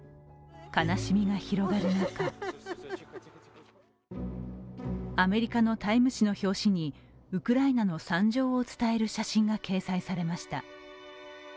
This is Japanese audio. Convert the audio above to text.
悲しみが広がる中アメリカの「タイム」誌の表紙にウクライナの惨状を伝える写真が掲載されました。